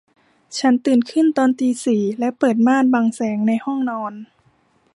ฉันตื่นขึ้นตอนตีสี่และเปิดม่านบังแสงในห้องนอน